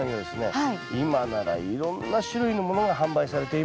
今ならいろんな種類のものが販売されています。